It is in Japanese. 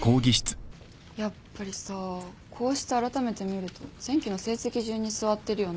やっぱりさこうしてあらためて見ると前期の成績順に座ってるよね。